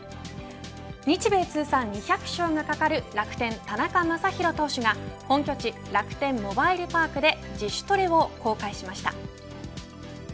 日米通算２００勝がかかる楽天、田中将大投手が本拠地、楽天モバイルパークで自主トレを公開しました。